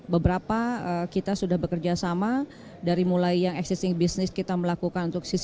beberapa kita sudah bekerja sama dari mulai yang existing business kita melakukan untuk sistem